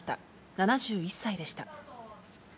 ７１歳でした。